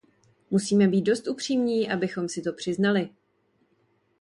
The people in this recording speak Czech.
Musíme být dost upřímní, abychom si to přiznali.